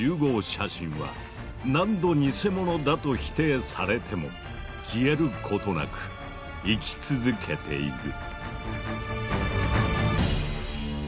写真は何度ニセモノだと否定されても消えることなく生き続けている。